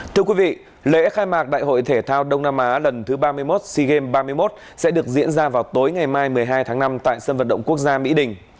thưa quý vị lễ khai mạc đại hội thể thao đông nam á lần thứ ba mươi một sea games ba mươi một sẽ được diễn ra vào tối ngày mai một mươi hai tháng năm tại sân vận động quốc gia mỹ đình